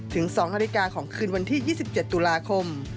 ถึง๒นาฬิกาของคืนวันที่๒๗ตุลาคม